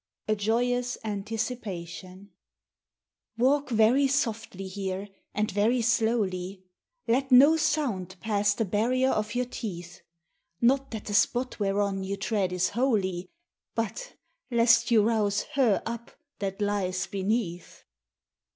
(A JOYOUS ANTICIPATION.) Walk very softly here and very slowly; Let no sound pass the barrier of your teeth; Not that the spot whereon you tread is holy, But lest you rouse her up that lies beneath.